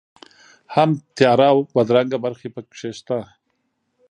هم تیاره او بدرنګه برخې په کې شته.